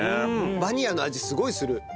バニラの味すごいする。